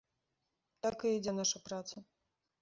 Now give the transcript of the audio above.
Так і ідзе наша праца.